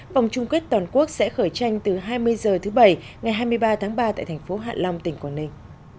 vòng chung kết toàn quốc sẽ khởi tranh từ hai mươi h thứ bảy ngày hai mươi ba tháng ba tại thành phố hạ long tỉnh quảng ninh